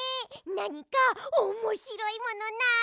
なにかおもしろいものない？